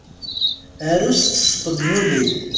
Aru s tespenyulit.